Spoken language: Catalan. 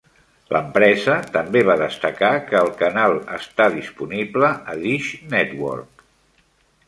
L'empresa també va destacar que el canal està disponible a Dish Network.